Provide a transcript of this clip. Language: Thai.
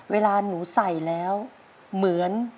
เวลาหนูใส่แล้วเหมือน